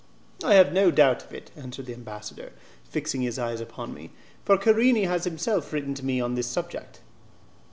"I have no doubt of it," answered the ambassador, fixing his eyes upon me, "for Querini has himself written to me on the subject."